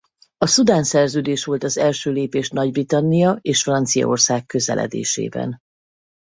A Szudán-szerződés volt az első lépés Nagy-Britannia és Franciaország közeledésében.